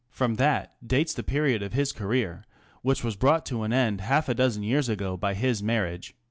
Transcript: From that dates the period of his career, which was brought to an end half a dozen years ago by his marriage.